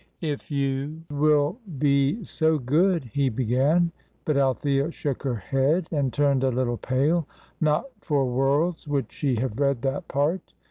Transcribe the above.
"If you will be so good " he began; but Althea shook her head and turned a little pale. Not for worlds would she have read that part.